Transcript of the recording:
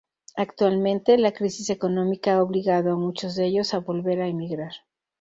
Actualmente, la crisis económica ha obligado a muchos de ellos a volver a emigrar.